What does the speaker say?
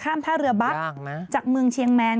ท่าเรือบัสจากเมืองเชียงแมน